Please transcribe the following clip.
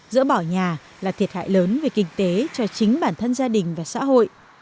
dỡ bỏ nhà là thiệt hại lớn về kinh tế cho chính bản thân gia đình và xã hội